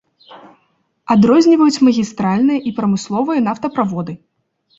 Адрозніваюць магістральныя і прамысловыя нафтаправоды.